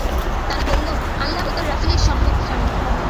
তারা বলল, আল্লাহ ও তার রাসূলই সম্যক জানেন।